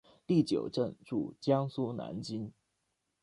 第九镇驻江苏南京。